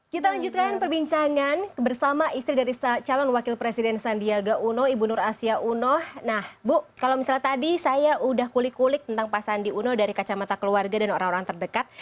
kita lanjutkan perbincangan bersama istri dari calon wakil presiden sandiaga uno ibu nur asia uno nah bu kalau misalnya tadi saya udah kulik kulik tentang pak sandi uno dari kacamata keluarga dan orang orang terdekat